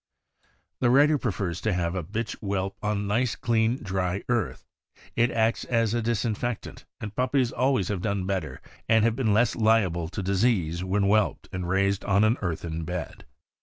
The writer prefers to have a bitch whelp on nice clean, dry earth; it acts as a disinfectant, and puppies always have done better and have been less liable to dis ease when whelped and raised on an earthen bed.